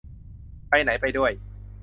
ไปไหน ไปด้วย